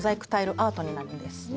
アートになるんです。